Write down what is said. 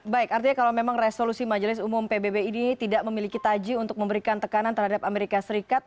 baik artinya kalau memang resolusi majelis umum pbb ini tidak memiliki taji untuk memberikan tekanan terhadap amerika serikat